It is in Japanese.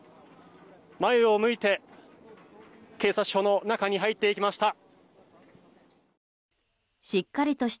前を向いて、警察署の中に入っていきました。